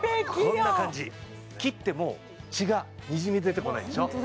こんな感じ切っても血がにじみ出てこないでしょ